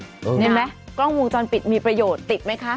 นี่ไหมกล้องวงจรปิดมีประโยชน์ติดมั้ยคะ